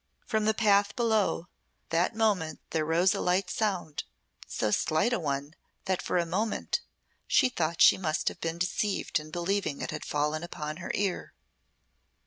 From the path below, that moment there rose a slight sound, so slight a one that for a moment she thought she must have been deceived in believing it had fallen upon her ear.